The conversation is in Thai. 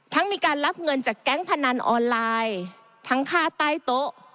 มีการรับเงินจากแก๊งพนันออนไลน์ทั้งค่าใต้โต๊ะ